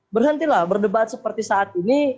berhentilah berdebat seperti saat ini